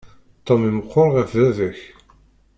Tom i meqqer ɣef baba-k.